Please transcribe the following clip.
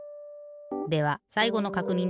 ではさいごのかくにんだぞ。